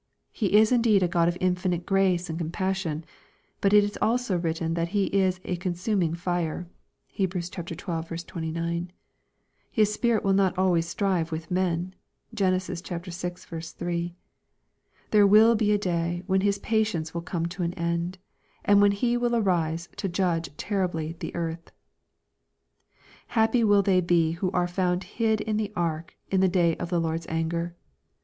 He is indeed a God of infinite grace and com passion. But it is also written, that He is " a consuming fire." (Heb. xii. 29.) His spirit will not always strive with men. (Gen. vi. 3.) There will be a day when His patience will come to an end, and when He will arise to judge terribly the earth. Happy will they be who are found hid in the ark in the day of the Lord's anger